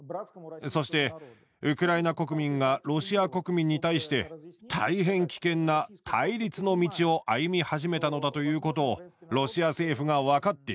そしてウクライナ国民がロシア国民に対して大変危険な対立の道を歩み始めたのだということをロシア政府が分かっている。